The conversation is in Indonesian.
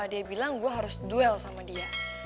dia bilang gue harus duel sama dia